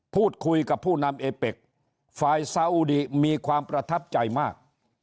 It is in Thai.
พูดคุยกับผู้นำเอเป็กฝ่ายซาอุดีมีความประทับใจมาก